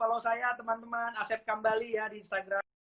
halo saya teman teman asep kambali ya di instagram